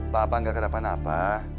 bapak gak kenapa napa